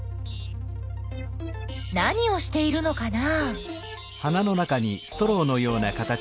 何をしているのかな？